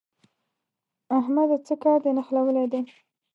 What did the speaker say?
احمده! څه کار دې نښلولی دی؟